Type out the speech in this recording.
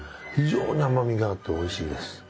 非常に甘みがあっておいしいです。